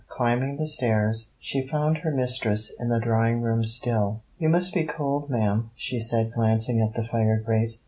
Climbing the stairs, she found her mistress in the drawing room still. 'You must be cold, ma'am,' she said, glancing at the fire grate.